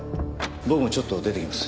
僕もちょっと出てきます。